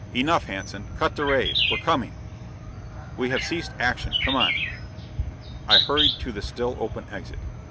"Enough. Hanson! Cut the rays; we're coming." "We have ceased action; come on!" I hurried to the still open exit.